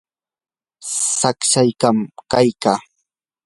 saqsashqam kaykaa.